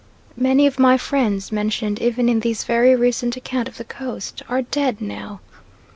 Many of my friends mentioned even in this very recent account of the Coast "are dead now."